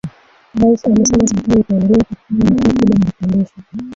Rais amesema Serikali itaendelea kutoa vifaa tiba na vitendeshi